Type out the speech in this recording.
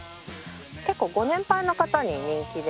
結構ご年配の方に人気で。